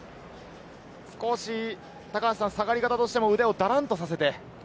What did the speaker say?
少し下がり方としても腕をだらんとさせて。